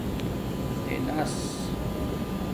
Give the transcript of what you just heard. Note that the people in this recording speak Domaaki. ِتِناس